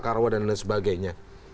karowo dan sebagainya